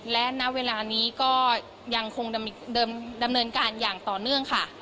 และณเวลานี้ก็ยังคงดำเนินการอย่างต่อเนื่องค่ะ